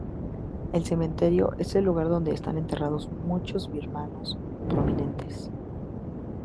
El cementerio es el lugar donde están enterrados muchos birmanos prominentes.